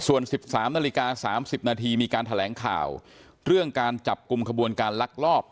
ส่วน๑๓นาฬิกา๓๐นาทีมีการแถลงข่าวเรื่องการจับกลุ่มขบวนการลักลอบ